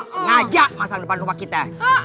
sengaja masa depan rumah kita